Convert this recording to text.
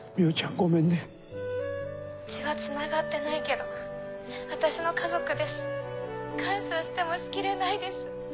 ごめんね血はつながってないけど私の家族です。感謝してもしきれないです。